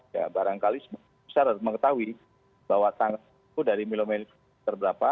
ya barangkali semuanya bisa mengetahui bahwa tanggap itu dari milomen terberapa